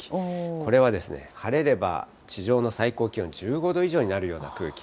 これは晴れれば地上の最高気温１５度以上になるような空気。